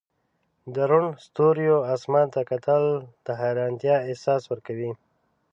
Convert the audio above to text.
د روڼ ستوریو اسمان ته کتل د حیرانتیا احساس ورکوي.